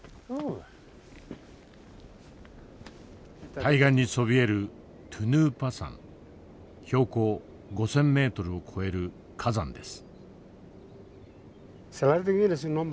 対岸にそびえる標高５，０００メートルを超える火山です。